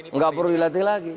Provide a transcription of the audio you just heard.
enggak perlu dilatih lagi